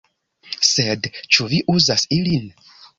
"Sed ĉu vi uzas ilin?"